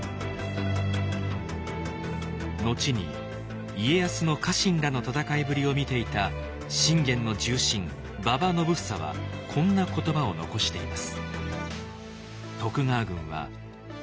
後に家康の家臣らの戦いぶりを見ていた信玄の重臣馬場信房はこんな言葉を残しています。